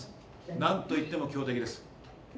なんと言っても強敵です。